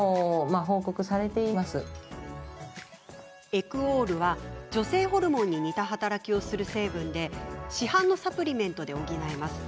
エクオールは、女性ホルモンに似た働きをする成分で市販のサプリメントで補えます。